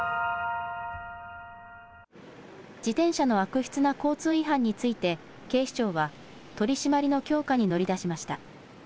自転車の悪質な交通違反について警視庁は取締りの強化に乗り出しました。